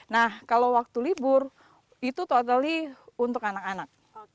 nah kalau waktu libur itu totally untuk anak anak